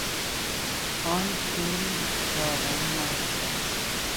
آن فیلم واقعا معرکه است.